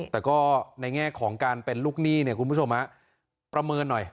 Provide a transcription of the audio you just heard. แต่ก็ในแง่ของการเป็นลูกหนี้เนี่ยคุณผู้ชมประเมินหน่อย